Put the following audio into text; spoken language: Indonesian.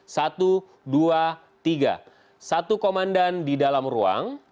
satu komandan di dalam ruang